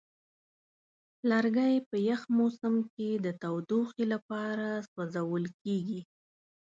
لرګی په یخ موسم کې د تودوخې لپاره سوځول کېږي.